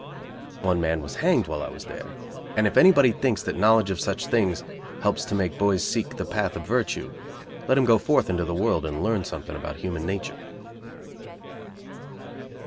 One man was hanged while I was there; and if anybody thinks that knowledge of such things helps to make boys seek the path of virtue, let him go forth into the world and learn something about human nature.